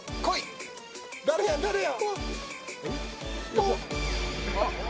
誰や、誰や。